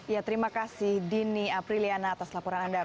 ya terima kasih dini apriliana atas laporan anda